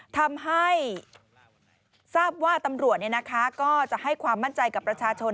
ทำให้ทราบว่าตำรวจก็จะให้ความมั่นใจกับประชาชน